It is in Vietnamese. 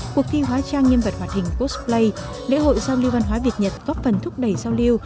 cuộc thi hóa trang nhân vật hoạt hình posplay lễ hội giao lưu văn hóa việt nhật góp phần thúc đẩy giao lưu